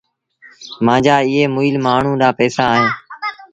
مآݩجآ ايٚئي مُئيٚل مآڻهوٚٚݩ ڏآݩهݩ پئيٚسآ اهيݩ